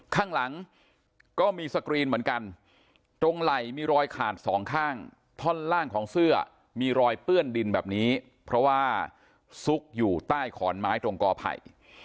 ข้างหลังก็มีสกรีนเหมือนกันตรงไหล่มีรอยขาดสองข้างท่อนล่างของเสื้อมีรอยเปื้อนดินแบบนี้เพราะว่าซุกอยู่ใต้ขอนไม้ตรงกอไผ่